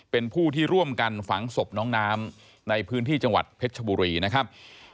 เป็นผู้ที่ร่วมกันฝังศพน้องน้ำในพื้นที่จังหวัดเพชรชบุรีนะครับ